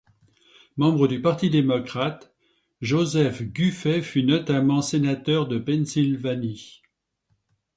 Membre du Parti démocrate, Joseph Guffey fut notamment sénateur de Pennsylvanie.